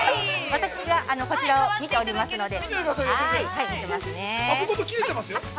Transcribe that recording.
◆私はこちらを見ておりますので。